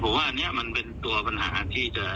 ผมว่าอันนี้มันเป็นตัวปัญหาที่จะ